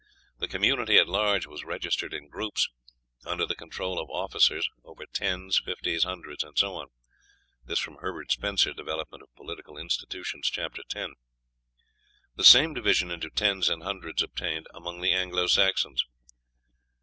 The community at large was registered in groups, under the control of officers over tens, fifties, hundreds, and so on." (Herbert Spencer, "Development of Political Institutions," chap. x.) The same division into tens and hundreds obtained among the Anglo Saxons.